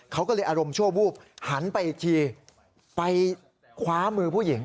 เขาก็เลยอารมณ์ชั่ววูบหันไปอีกทีไปคว้ามือผู้หญิง